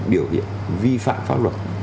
biểu hiện vi phạm pháp luật